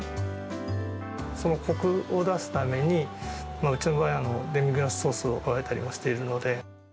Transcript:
こくを出すために、うちの場合、デミグラスソースを加えたりしているので。